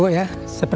gitu ya pap